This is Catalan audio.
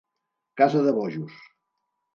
Casa de bojos.